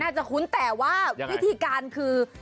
คุ้นแต่ว่าวิธีการคือ